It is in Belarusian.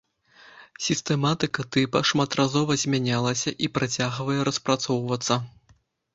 Сістэматыка тыпа шматразова змянялася і працягвае распрацоўвацца.